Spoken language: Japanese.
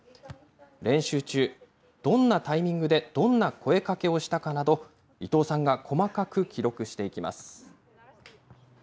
練習中、どんなタイミングで、どんな声かけをしたかなど、伊藤さんが細かく記録していきます。